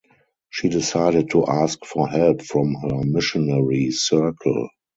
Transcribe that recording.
She decided to ask for help from her missionary circle.